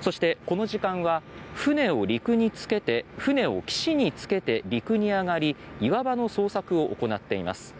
そして、この時間は船を岸につけて陸に上がり岩場の捜索を行っています。